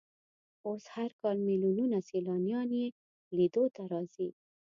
اوس هر کال ملیونونه سیلانیان یې لیدو ته راځي.